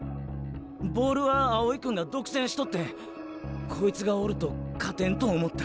ボールは青井君が独占しとってこいつがおると勝てんと思った。